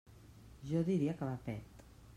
Jo diria que va pet.